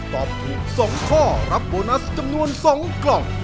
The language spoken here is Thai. ตอบถูก๒ข้อรับโบนัสจำนวน๒กล่อง